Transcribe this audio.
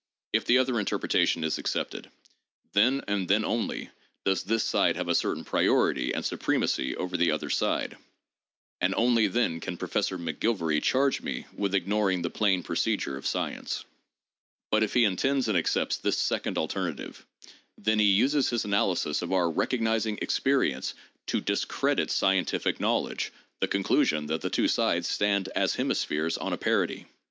If the other interpretation is accepted, then and then only, does this side have a certain priority and supremacy over the other side ; and only then can Professor McGilvary charge me with ignoring the plain procedure of science. But if he intends and accepts this second alternative, then he uses his analysis of our recognizing experience to discredit scientific knowledge— the conclusion that the two sides stand as hemispheres on a parity.